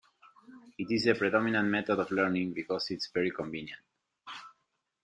It is the predominant method of learning, because it is very convenient.